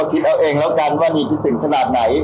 คิดเอาเองแล้วกันว่าดีคิดถึงขนาดไหน